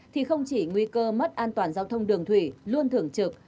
thì không chỉ nguy cơ mất an toàn giao thông đường thủy luôn thưởng trực